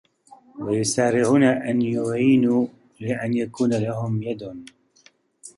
وَيُسَارِعُونَ أَنْ يُعِينُوا لَأَنْ يَكُونَ لَهُمْ يَدٌ